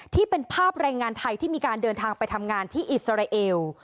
ที่เป็นภาพแรงงานไทยที่มีการเดินทางไปทำงานที่อิสราเอล